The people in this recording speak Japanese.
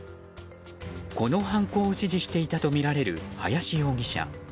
この犯行を指示していたとみられる林容疑者。